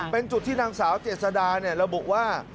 เป็นจุดที่นางสาวเจษดาระบุว่า